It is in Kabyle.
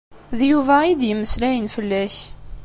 D Yuba i iyi-d-yemmeslayen fell-ak.